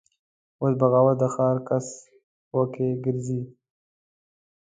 اوس بغاوت د ښار کوڅ وکې ګرځي